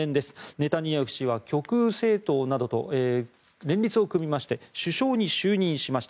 ネタニヤフ氏は極右政党などと連立を組みまして首相に就任しました。